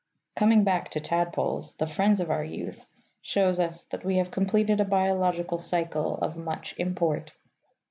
Coming back to tadpoles, the friends of our youth, shows us that we have completed a biological cycle of much import.